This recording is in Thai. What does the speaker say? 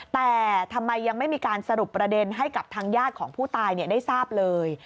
แต่ทำไมยังไม่มีการสรุปประเด็นให้กับทางญาติของผู้ตายได้ทราบเลย